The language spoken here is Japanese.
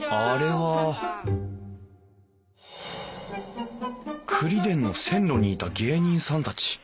あれはくりでんの線路にいた芸人さんたち！